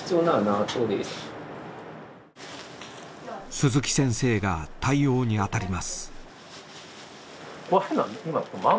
鈴木先生が対応に当たります。